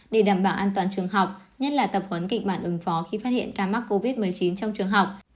để đảm bảo an toàn trường học nhất là tập huấn kịch bản ứng phó khi phát hiện ca mắc covid một mươi chín trong trường học